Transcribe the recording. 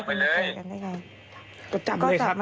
เอาเจรจากไปเลย